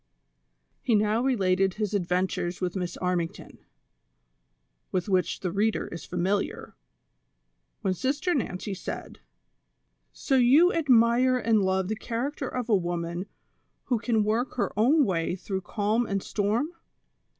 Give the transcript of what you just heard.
He now related his adventures with Miss Armington, with which the reader is familiar, when Sister ISTancy said :" So you admire and love the character of a woman wlio can work her own way through calm and storm